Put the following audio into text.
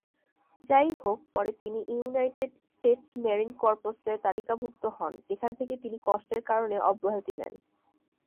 যাইহোক, পরে তিনি ইউনাইটেড স্টেটস মেরিন কর্পসে তালিকাভুক্ত হন, যেখান থেকে তিনি কষ্টের কারনে অব্যহতি নেন।